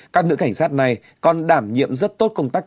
các nữ cảnh sát này còn đảm nhiệm rất tốt công tác